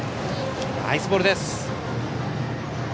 ナイスボールです！